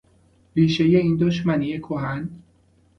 ریشهی این دشمنی کهن